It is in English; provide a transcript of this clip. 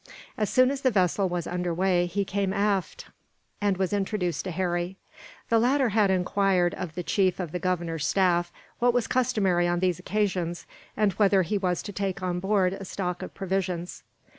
As soon as the vessel was under way he came aft, and was introduced to Harry. The latter had enquired, of the chief of the Governor's staff, what was customary on these occasions, and whether he was to take on board a stock of provisions.